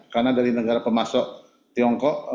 karena dari negara pemasok tiongkok